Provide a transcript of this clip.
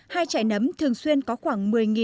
hai chạy nấm thường xuyên có khoảng một mươi